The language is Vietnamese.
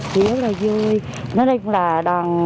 không khỏi xúc động